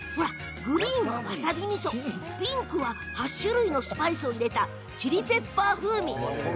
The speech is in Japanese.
グリーンは、わさびみそピンクは８種類のスパイスのチリペッパー風味。